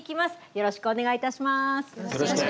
よろしくお願いします。